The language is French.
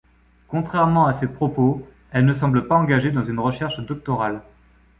Contrairement à ses propos, elle ne semble pas engagée dans une recherche doctorale.